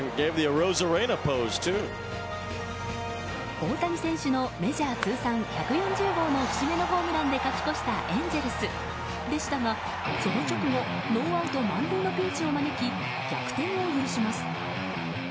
大谷選手のメジャー通算１４０号の節目のホームランで勝ち越したエンゼルスでしたがその直後ノーアウト満塁のピンチを招き逆転を許します。